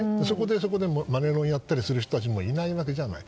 そこでマネロンをやったりする人もいないわけじゃない。